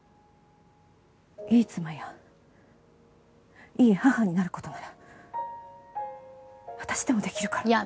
いい妻やいい母になる事なら私でもできるから。